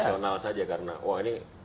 rasional saja karena wah ini